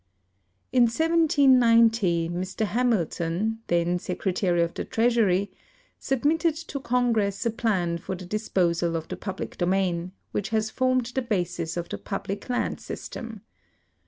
In 1790 Mr Hamilton, then Secretary of the Treasury, sub mitted to Congress a plan for the disposal of the public domain, which has formed the basis of the public land system.